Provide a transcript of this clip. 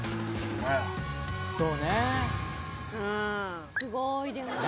そうね誰？